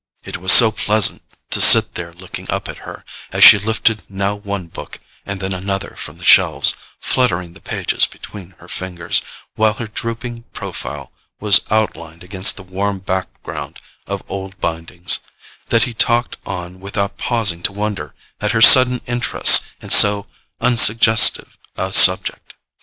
It was so pleasant to sit there looking up at her, as she lifted now one book and then another from the shelves, fluttering the pages between her fingers, while her drooping profile was outlined against the warm background of old bindings, that he talked on without pausing to wonder at her sudden interest in so unsuggestive a subject.